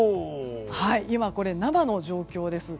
今、生の状況です。